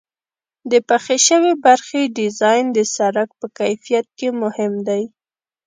د پخې شوې برخې ډیزاین د سرک په کیفیت کې مهم دی